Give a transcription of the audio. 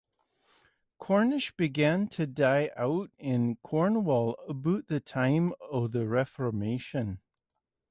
Cornish began to die out in Cornwall about the time of the Reformation.